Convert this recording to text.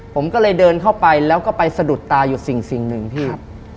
ผมก็เลยเดินเข้าไปแล้วก็ไปสะดุดตาอยู่สิ่งหนึ่งพี่